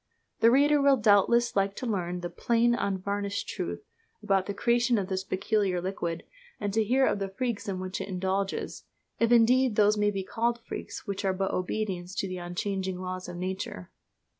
The reader will doubtless like to learn the "plain, unvarnished truth" about the creation of this peculiar liquid, and to hear of the freaks in which it indulges if indeed those may be called freaks which are but obedience to the unchanging laws of Nature.